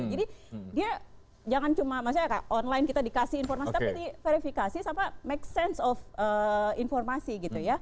jadi dia jangan cuma online kita dikasih informasi tapi di verifikasi sama make sense of informasi